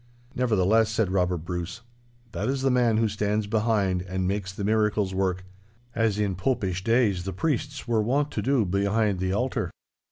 'Nevertheless,' said Robert Bruce, 'that is the man who stands behind and makes the miracles work, as in Popish days the priests were wont to do behind the altar.